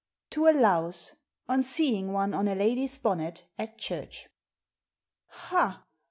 TO A LOUSE. ON SEEING ONE ON A LADY'S BONNET AT CHURCH, Ha!